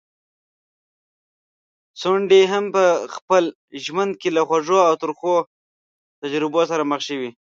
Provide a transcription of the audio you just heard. ځونډی هم په خپل ژوند کي له خوږو او ترخو تجربو سره مخ شوی.